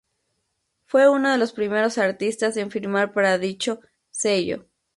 Fue uno de los primeros artistas en firmar para dicho sello.